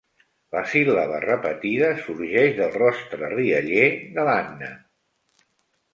La síl·laba repetida sorgeix del rostre rialler de l'Anna.